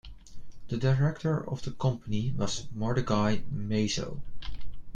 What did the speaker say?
The director of the company was Mordechai Mazo.